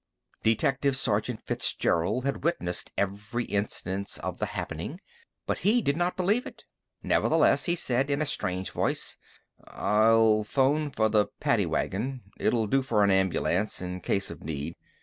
Detective Sergeant Fitzgerald had witnessed every instant of the happening, but he did not believe it. Nevertheless, he said in a strange voice: "I'll phone for the paddy wagon. It'll do for a ambulance, in case of need."